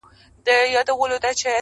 o همېشه په ښو نمرو کامیابېدله,